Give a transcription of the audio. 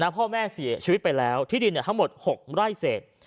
พ่อแม่เสียชีวิตไปแล้วที่ดินทั้งหมด๖ไร่เศษ